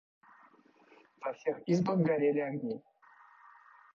Во всех избах горели огни.